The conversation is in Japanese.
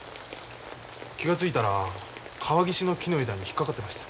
気が付いたら川岸の木の枝に引っ掛かってました。